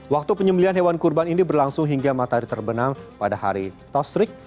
waktu penyembelian hewan kurban ini berlangsung hingga matahari terbenam pada hari tasrik